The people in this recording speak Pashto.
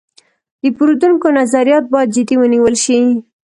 د پیرودونکو نظریات باید جدي ونیول شي.